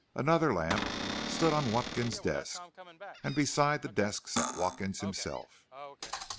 Another lamp stood on Watkins's desk, and beside the desk sat Watkins himself.